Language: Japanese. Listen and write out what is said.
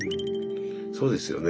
そうですよね。